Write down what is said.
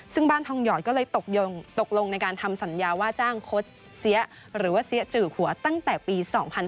ซึ่งบ้านทองหยอดก็เลยตกลงในการทำสัญญาว่าจ้างคดเสียหรือว่าเสียจือหัวตั้งแต่ปี๒๕๕๙